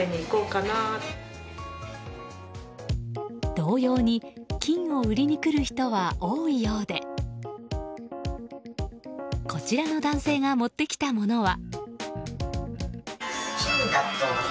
同様に金を売りに来る人は多いようでこちらの男性が持ってきたものは。